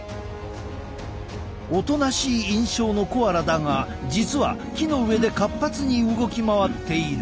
おとなしい印象のコアラだが実は木の上で活発に動き回っている。